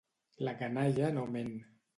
La canalla no ment.